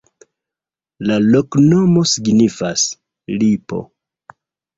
La loknomo signifas: lipo.